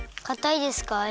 かたいですか？